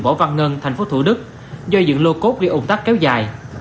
bộ văn ngân tp thủ đức do dựng lô cốt bị ủng tắc kéo dài